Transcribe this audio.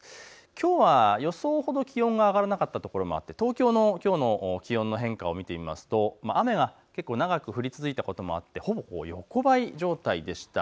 きょうは予想ほど気温が上がらなかったところもあって東京の気温の変化を見ると雨が長く降り続いたこともあってほぼ横ばい状態でした。